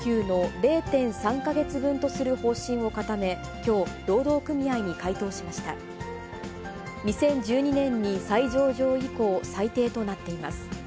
２０１２年に再上場以降、最低となっています。